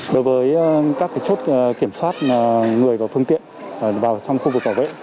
đối với các chốt kiểm soát người và phương tiện vào trong khu vực bảo vệ